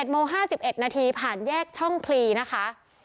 โมง๕๑นาทีผ่านแยกช่องพลีนะคะ